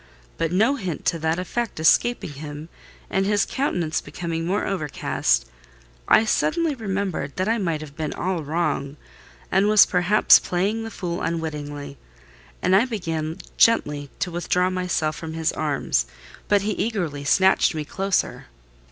But no hint to that effect escaping him and his countenance becoming more overcast, I suddenly remembered that I might have been all wrong, and was perhaps playing the fool unwittingly; and I began gently to withdraw myself from his arms—but he eagerly snatched me closer.